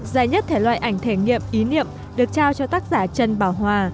giải nhất thể loại ảnh thể nghiệp ý niệm được trao cho tác giả trần bảo hòa